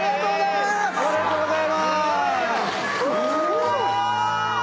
すごい！